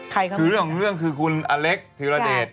ครับคือเรื่องของเรื่องคือคุณอเล็กธิรเดช